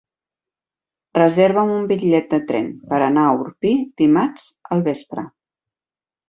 Reserva'm un bitllet de tren per anar a Orpí dimarts al vespre.